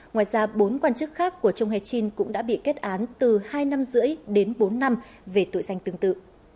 ngoài ra bốn quan chức khác của jong hay chin cũng đã bị kết án từ hai năm rưỡi đến bốn năm về tội danh tương tự